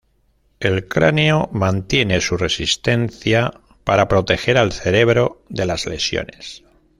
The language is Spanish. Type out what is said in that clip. El cráneo mantiene su resistencia para proteger al cerebro de las lesiones.